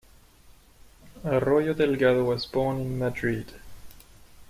Arroyo Delgado was born in Madrid.